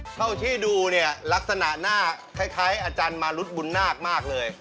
เท่าที่ดูเนี่ยลักษณะหน้าคล้ายอาจารย์มารุธบุญนาคมากเลย